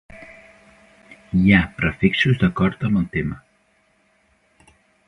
Hi ha prefixos d'acord amb el tema.